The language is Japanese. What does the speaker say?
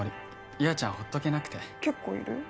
優愛ちゃんほっとけなくて結構いるよ。